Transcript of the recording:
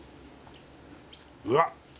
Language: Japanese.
うわっ。